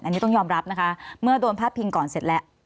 อันนี้ต้องยอมรับนะคะเมื่อโดนพาดพิงก่อนเสร็จแล้ว